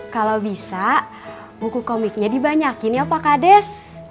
kalau bisa buku komiknya dibanyakin ya pak kades